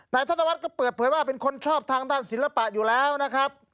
ธนวัฒน์ก็เปิดเผยว่าเป็นคนชอบทางด้านศิลปะอยู่แล้วนะครับ